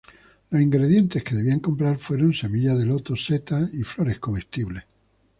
Los ingredientes que debían comprar fueron: semillas de loto, setas y flores comestibles.